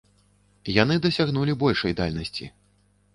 Яны дасягнулі большай дальнасці.